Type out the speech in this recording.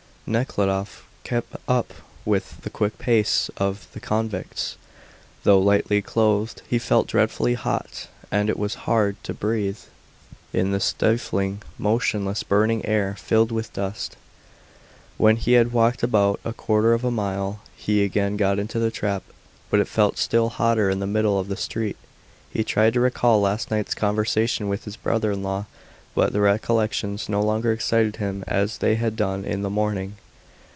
Nekhludoff kept up with the quick pace of the convicts. Though lightly clothed he felt dreadfully hot, and it was hard to breathe in the stifling, motionless, burning air filled with dust. When he had walked about a quarter of a mile he again got into the trap, but it felt still hotter in the middle of the street. He tried to recall last night's conversation with his brother in law, but the recollections no longer excited him as they had done in the morning.